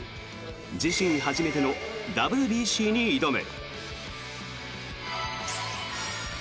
自身初めてのＷＢＣに挑む。